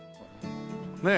ねえ